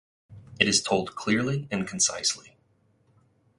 It is told clearly and concisely.